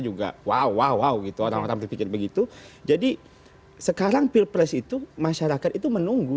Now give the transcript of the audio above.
juga wah gitu orang orang berpikir begitu jadi sekarang pilpres itu masyarakat itu menunggu